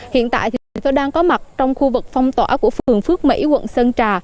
hiện tại tp đà nẵng đang có mặt trong khu vực phong tỏa của phường phước mỹ quận sơn trà